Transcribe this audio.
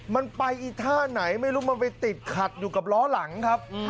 มันไปอีท่าไหนไม่รู้มันไปติดขัดอยู่กับล้อหลังครับ